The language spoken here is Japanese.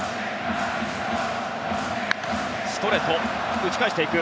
ストレート、打ち返していく。